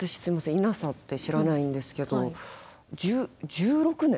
イナサって知らないんですけど１６年？